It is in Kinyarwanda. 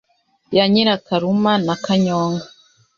Ya Nyirakaruma na Kanyonga